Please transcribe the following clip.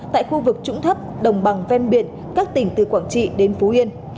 tại khu vực trũng thấp đồng bằng ven biển các tỉnh từ quảng trị đến phú yên